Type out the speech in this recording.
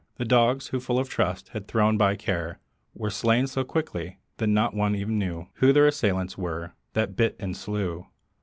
The dogs, who, full of trust, had thrown by care, Were slain so quickly, that not one e'en knew Who their assailants were that bit and slew.